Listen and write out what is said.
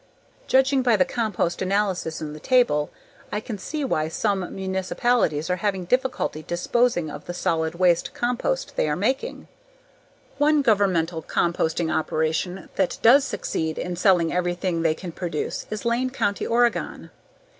Judging by the compost analyses in the table, I can see why some municipalities are having difficulty disposing of the solid waste compost they are making. One governmental composting operation that does succeed in selling everything they can produce is Lane County, Oregon.